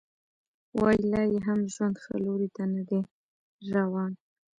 وايي لا یې هم ژوند ښه لوري ته نه دی روان